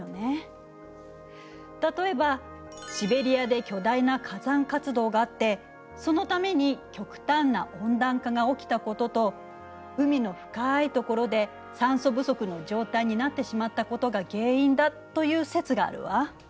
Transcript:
例えばシベリアで巨大な火山活動があってそのために極端な温暖化が起きたことと海の深いところで酸素不足の状態になってしまったことが原因だという説があるわ。